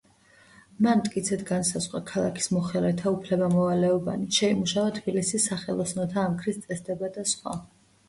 მან მტკიცედ განსაზღვრა ქალაქის მოხელეთა უფლება-მოვალეობანი, შეიმუშავა თბილისის ხელოსანთა ამქრის წესდება და სხვა.